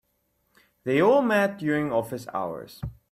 They all met during office hours.